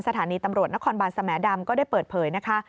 สถานีตำรวจนครบานสมดำก็ได้เปิดเผยนะคะ